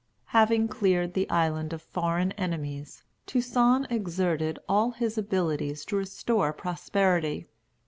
Having cleared the island of foreign enemies, Toussaint exerted all his abilities to restore prosperity.